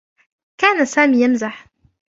كان سامي يمزح.